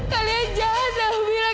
kalian jahat ya oh mila